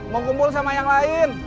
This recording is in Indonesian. mau kumpul sama yang lain